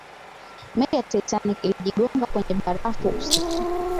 meli ya titanic ilijigonga kwenye barafu usiku